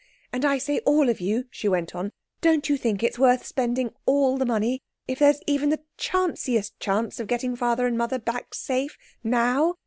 And I say all of you," she went on, "don't you think it's worth spending all the money, if there's even the chanciest chance of getting Father and Mother back safe _now?